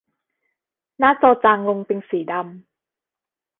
หน้าจอจางลงเป็นสีดำ